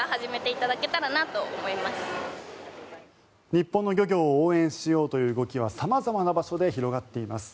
日本の漁業を応援しようという動きは様々な場所で広がっています。